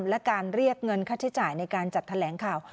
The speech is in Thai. และการเรียกเงินค่าใช้จ่ายในการจัดแถลงข่าว